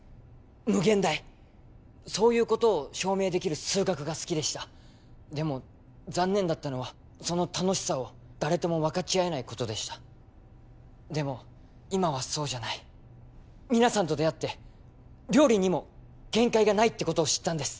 無限大そういうことを証明できる数学が好きでしたでも残念だったのはその楽しさを誰とも分かち合えないことでしたでも今はそうじゃない皆さんと出会って料理にも限界がないってことを知ったんです